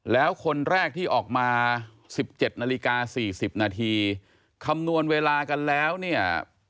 แล้วคนแรกที่ออกมา๑๗นาฬิกา๔๐นาทีคำนวณเวลากันแล้วเนี่ย